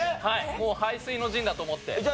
もう背水の陣だと思って。